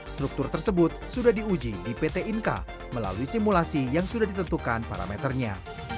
struktur tersebut sudah diuji di pt inka melalui simulasi yang sudah ditentukan parameternya